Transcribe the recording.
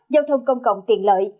giao thông công cộng tiện lợi